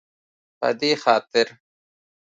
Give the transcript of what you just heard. په دې خاطر